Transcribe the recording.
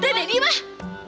udah deh dimah